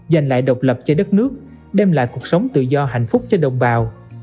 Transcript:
dành lại độc lập cho đất nước đem lại cuộc sống tự do hạnh phúc cho đồng bào